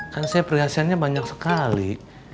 kan saya perhiasannya banyak sekali